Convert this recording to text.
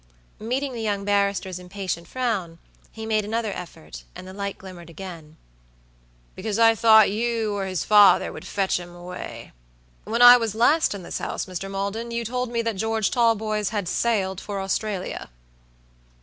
Meeting the young barrister's impatient frown, he made another effort, and the light glimmered again. "Because I thought you or his father would fetch 'm away." "When I was last in this house, Mr. Maldon, you told me that George Talboys had sailed for Australia."